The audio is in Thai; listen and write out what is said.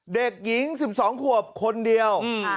เด็กหญิง๑๒ขวบคนเดียว